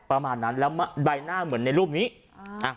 ประมาณนั้นแล้วใบหน้าเหมือนในรูปนี้อ่าอ่ะ